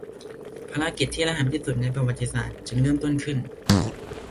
ภารกิจที่ระห่ำที่สุดในประวัติศาสตร์จึงเริ่มต้นขึ้น